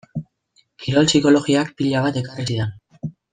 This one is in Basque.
Kirol psikologiak pila bat ekarri zidan.